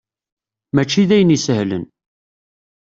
Mačči d ayen isehlen.